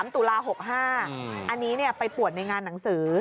ตุลา๖๕อันนี้ไปปวดในงานหนังสือ